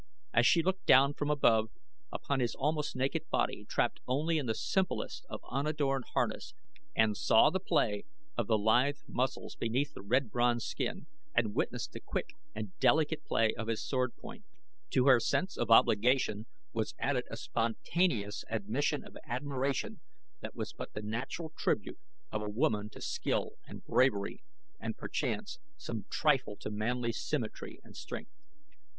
As she looked down from above upon his almost naked body, trapped only in the simplest of unadorned harness, and saw the play of the lithe muscles beneath the red bronze skin, and witnessed the quick and delicate play of his sword point, to her sense of obligation was added a spontaneous admission of admiration that was but the natural tribute of a woman to skill and bravery and, perchance, some trifle to manly symmetry and strength.